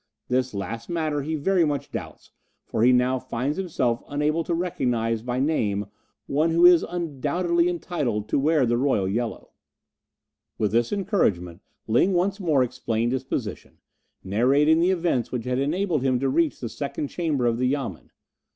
This last matter he very much doubts, for he now finds himself unable to recognize by name one who is undoubtedly entitled to wear the Royal Yellow." With this encouragement Ling once more explained his position, narrating the events which had enabled him to reach the second chamber of the Yamen.